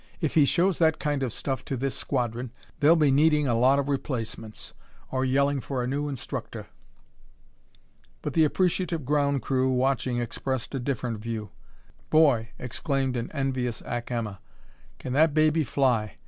"If he shows that kind of stuff to this squadron they'll be needing a lot of replacements or yelling for a new instructor." But the appreciative ground crew, watching, expressed a different view. "Boy!" exclaimed an envious Ack Emma. "Can that baby fly!